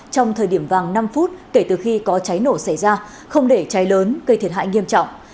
trong thời điểm vàng năm phút kể từ khi có cháy nổ xảy ra không để cháy lớn gây thiệt hại nghiêm trọng